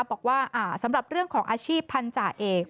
บอกว่าสำหรับเรื่องของอาชีพพันธาเอก